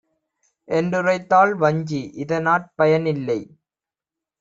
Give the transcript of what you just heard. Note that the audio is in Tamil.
என்றுரைத்தாள் வஞ்சி. இதனாற் பயனில்லை;